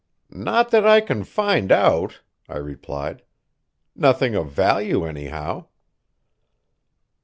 "Not that I can find out," I replied. "Nothing of value, anyhow."